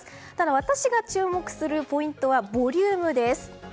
私が注目するポイントはボリュームです。